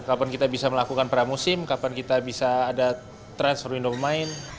kapan kita bisa melakukan pramusim kapan kita bisa ada transfer window mind